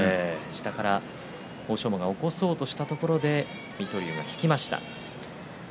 下から欧勝馬が起こそうとしたところで水戸龍が引きました。